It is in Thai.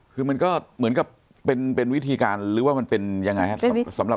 คือมันก็เหมือนกับเป็นวิธีการหรือว่ามันเป็นยังไงครับ